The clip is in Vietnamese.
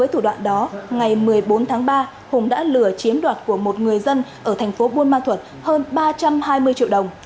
hùng đã lừa chiếm đoạt của một người dân ở thành phố buôn ma thuật hơn ba trăm hai mươi triệu đồng